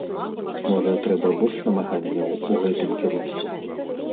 Можа, трэба больш намаганняў у гэтым кірунку?